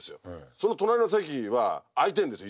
その隣の席は空いてるんですよ